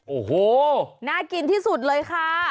โอ้โหน่ากินที่สุดเลยค่ะ